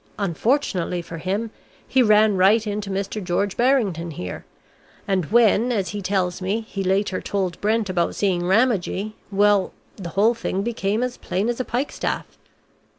Unfortunately for him, he ran right into Mr. George Barrington here, and when, as he tells me, he later told Brent about seeing Ramagee, well, the whole thing became as plain as a pikestaff."